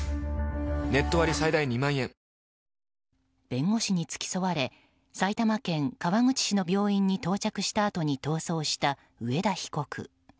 弁護士に付き添われ埼玉県川口市の病院に到着したあとに逃走した上田被告。